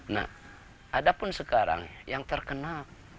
nah ada pun sekarang yang terkena